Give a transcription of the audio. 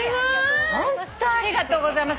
ありがとうございます。